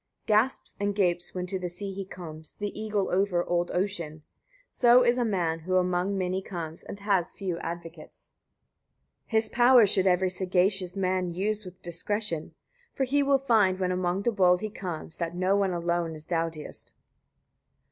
63. Gasps and gapes, when to the sea he comes, the eagle over old ocean; so is a man, who among many comes, and has few advocates. 64. His power should every sagacious man use with discretion; for he will find, when among the bold he comes, that no one alone is doughtiest.